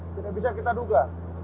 tidak bisa kita duga